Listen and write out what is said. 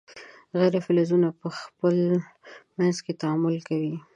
غیر فلزونه په خپل منځ کې تعامل کوي.